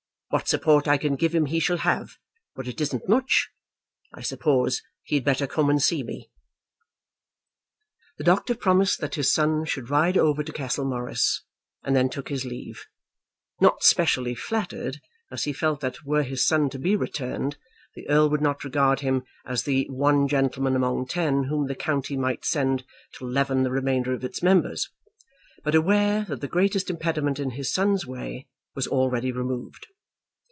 What support I can give him he shall have, but it isn't much. I suppose he had better come and see me." The doctor promised that his son should ride over to Castlemorris, and then took his leave, not specially flattered, as he felt that were his son to be returned, the Earl would not regard him as the one gentleman among ten whom the county might send to leaven the remainder of its members, but aware that the greatest impediment in his son's way was already removed.